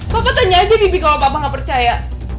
papa tanya aja bibi kalo papa gak percaya